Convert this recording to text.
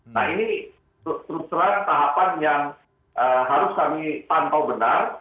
nah ini terus terang tahapan yang harus kami pantau benar